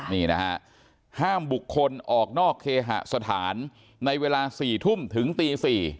นี่นะฮะห้ามบุคคลออกนอกเคหสถานในเวลา๔ทุ่มถึงตี๔